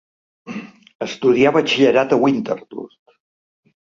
Estudià batxillerat a Winterthur.